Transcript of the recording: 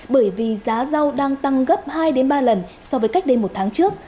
bởi vì giá rau đang tăng gấp hai ba lần so với cách đây một tháng trước